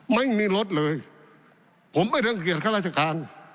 ไม่มีลดเลยผมไม่ทั้งเกียจครับราชการ